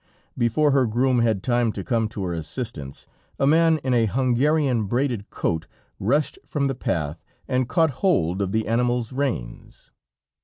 Before her groom had time to come to her assistance, a man in a Hungarian braided coat rushed from the path, and caught hold of the animal's reins.